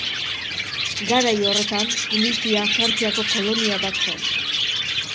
Garai horretan Tunisia Frantziako kolonia bat zen.